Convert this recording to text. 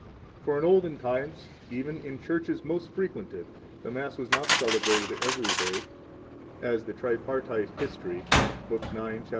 41 For in olden times, even in churches most frequented, the Mass was not celebrated every day, as the Tripartite History (Book 9, chap.